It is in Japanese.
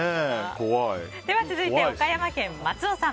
続いて、岡山県の方。